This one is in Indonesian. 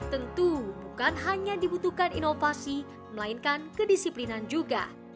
tentu bukan hanya dibutuhkan inovasi melainkan kedisiplinan juga